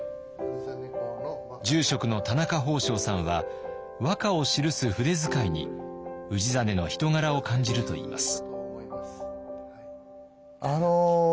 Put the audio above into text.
住職の田中法生さんは和歌を記す筆遣いに氏真の人柄を感じるといいます。